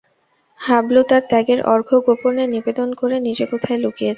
হাবলু তার ত্যাগের অর্ঘ্য গোপনে নিবেদন করে নিজে কোথায় লুকিয়েছে।